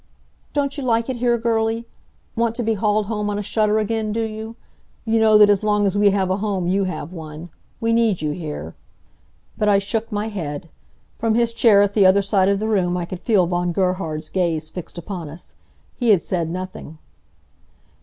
"Don't you like it here, girlie? Want to be hauled home on a shutter again, do you? You know that as long as we have a home, you have one. We need you here." But I shook my head. From his chair at the other side of the room I could feel Von Gerhard's gaze fixed upon us. He had said nothing.